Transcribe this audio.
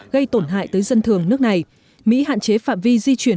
gây tổn hại tới dân thường nước này